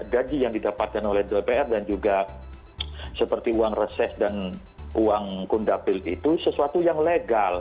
gaji yang didapatkan oleh dpr dan juga seperti uang reses dan uang kundapil itu sesuatu yang legal